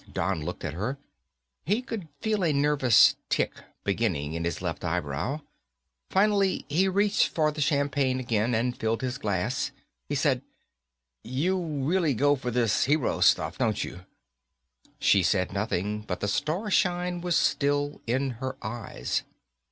Don looked at her. He could feel a nervous tic beginning in his left eyebrow. Finally, he reached for the champagne again and filled his glass. He said, "You really go for this hero stuff, don't you?" She said nothing, but the star shine was still in her eyes.